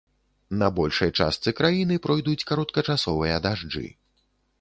На большай частцы краіны пройдуць кароткачасовыя дажджы.